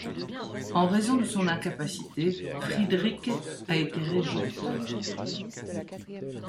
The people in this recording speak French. En raison de son incapacité, Friederike a été régente.